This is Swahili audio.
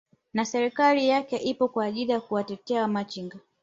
na serikali yake ipo kwa ajili ya kuwatetea wa machinga